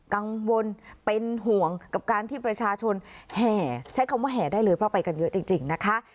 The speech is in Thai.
กังวลเป็นห่วงกับการที่ประชาชนแห่ใช้คำว่าแห่ได้เลยเพราะไปกันเยอะจริงนะคะ